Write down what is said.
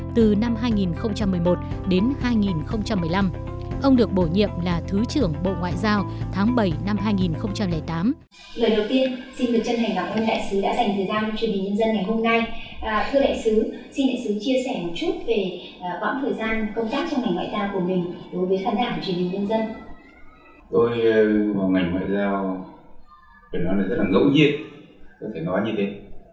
tôi vào ngành ngoại giao phải nói là rất là ngẫu nhiên có thể nói như thế